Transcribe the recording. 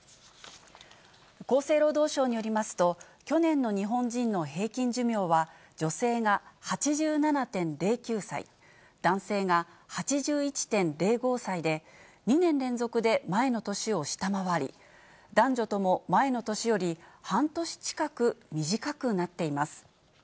厚生労働省によりますと、去年の日本人の平均寿命は、女性が８７．０９歳、男性が８１．０５歳で、２年連続で前の年を下回り、男女とも前の年より半年近く短くなっています。